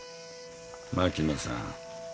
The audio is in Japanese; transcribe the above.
槙野さん。